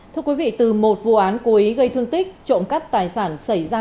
thưa quý vị từ một vụ án cố ý gây thương tích trộm cắp tài sản xảy ra